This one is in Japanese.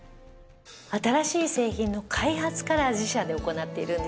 新しい製品の開発から自社で行っているんですよね？